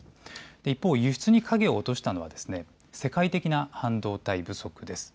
一方、輸出に影を落としたのは世界的な半導体不足です。